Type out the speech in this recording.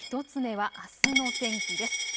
１つ目はあすの天気です。